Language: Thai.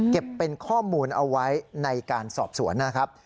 เก็บเป็นข้อมูลเอาไว้ในการสอบสวนนะครับ